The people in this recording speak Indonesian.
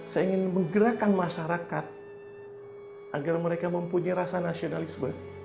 saya ingin menggerakkan masyarakat agar mereka mempunyai rasa nasionalisme